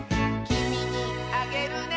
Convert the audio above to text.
「きみにあげるね」